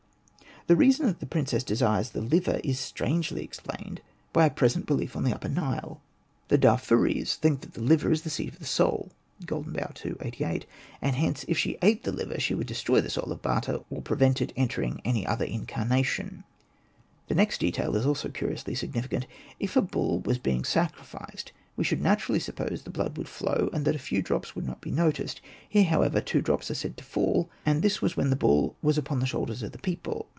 The reason that the princess desires the liver is strangely explained by a present belief 7 Hosted by Google 82 ANPU AND BATA on the Upper Nile. The Darfuris think that the liver is the seat of the soul (''Golden Bough," ii. 88) ; and hence if she ate the liver she would destroy the soul of Bata, or prevent it entering any other incarnation. The next detail is also curiously significant. If a bull was being sacrificed we should naturally suppose the blood would fiow, and that a few drops would not be noticed. Here, however, two drops are said to fall, and this was when the bull " was upon the shoulders of the people.''